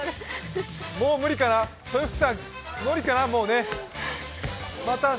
もう無理かな、豊福さん、無理かな。